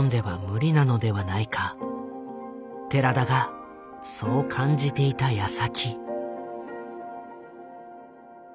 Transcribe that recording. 寺田がそう感じていたやさき。